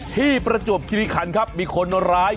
ประจวบคิริขันครับมีคนร้าย